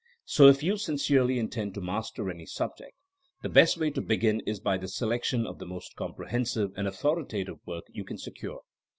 So if you sincerely intend to master any sub ject, the best way to begin is by the selection of the most comprehensive and authoritative work you can secure.